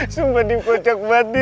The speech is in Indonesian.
sumpah dipojak banget nih